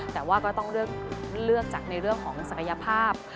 แต่ว่าก็ต้องเลือกจากในเรื่องของศักยภาพ